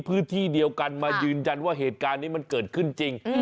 พื้นที่เดียวกันมายืนยันว่าเหตุการณ์นี้มันเกิดขึ้นจริง